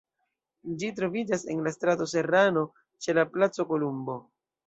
Ĝi troviĝas en la strato Serrano, ĉe la Placo Kolumbo.